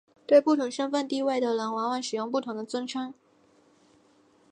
对不同身份地位的人往往使用不同的尊称。